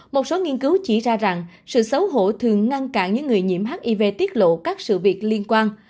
một số nghiên cứu chỉ ra rằng sự xấu hổ thường ngăn cản những người nhiễm hiv tiết lộ các sự việc liên quan